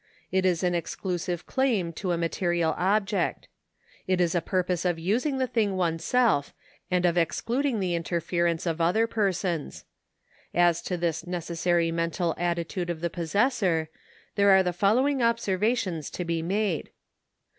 It is an exclusive claim to a material object. It is a purpose of using the thing oneself and of excluding the interference of other persons. As to this necessary mental attitude of the possessor there are the following observations to be made.